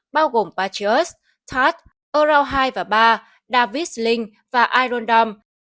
bao gồm patriot tart aura hai và ba davis lynch và iron dome